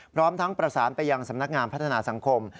พร้อมทั้งประสานไปยังสำนักงานพัฒนาสังคม